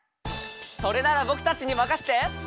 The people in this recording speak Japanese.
それならぼくたちにまかせて！